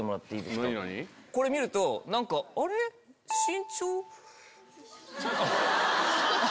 これ見るとあれ⁉身長。